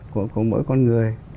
của mỗi con người